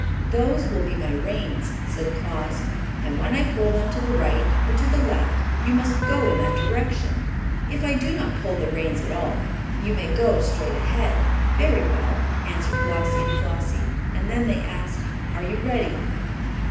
"Those will be my reins," said Claus, "and when I pull them to the right or to the left you must go in that direction. If I do not pull the reins at all you may go straight ahead." "Very well," answered Glossie and Flossie; and then they asked: "Are you ready?"